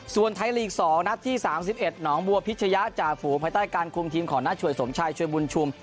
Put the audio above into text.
ส่วนไทยลีก๒นัดที่๓๑หนองบัวพิชยะจ่าฝูภายใต้การคุมทีมของหน้าช่วยสมชายช่วยบุญชุม